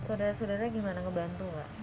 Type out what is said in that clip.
saudara saudaranya gimana ngebantu